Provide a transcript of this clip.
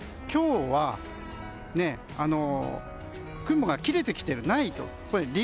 今日は雲が切れてきている。